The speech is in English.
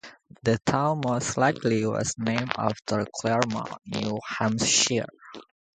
The town most likely was named after Claremont, New Hampshire.